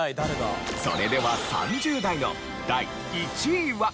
それでは３０代の第１位は。